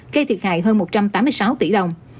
gây thiệt hại hơn một trăm tám mươi sáu tỷ đồng